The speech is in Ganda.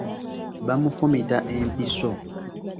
Bamufumita empiso.